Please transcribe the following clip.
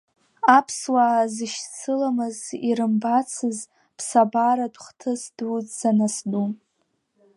Аԥсуаа зышьцыламыз, ирымбаӡацыз ԥсабаратә хҭыс дуӡӡан асду.